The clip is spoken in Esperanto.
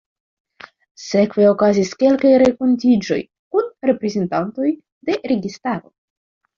Sekve okazis kelkaj renkontiĝoj kun reprezentantoj de registaro.